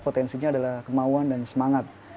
potensinya adalah kemauan dan semangat